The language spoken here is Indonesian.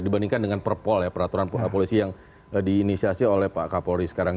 dibandingkan dengan perpol ya peraturan polisi yang diinisiasi oleh pak kapolri sekarang